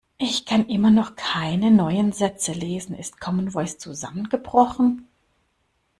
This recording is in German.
Ich kann immer noch keine neuen Sätze lesen. Ist Commen Voice zusammengebrochen?